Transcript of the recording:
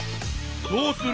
どうする！